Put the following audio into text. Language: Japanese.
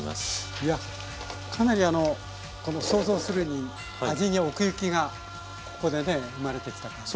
いやかなりあのこの想像するに味に奥行きがここでね生まれてきた感じが。